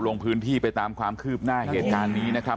ลงพื้นที่ไปตามความคืบหน้าเหตุการณ์นี้นะครับ